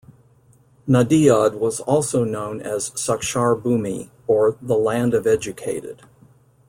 Nadiad was also known as 'Sakshar Bhumi', or The land of educated.